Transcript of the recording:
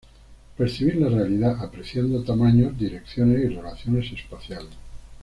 Percibir la realidad, apreciando tamaños, direcciones y relaciones espaciales.